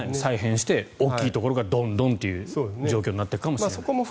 再編して大きいところがドンドンという状況になっていくかもしれない。